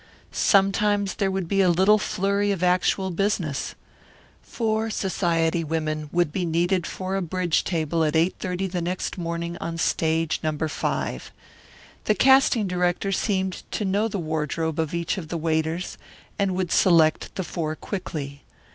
Sometimes there would be a little flurry of actual business. Four society women would be needed for a bridge table at 8:30 the next morning on Stage Number Five. The casting director seemed to know the wardrobe of each of the waiters, and would select the four quickly.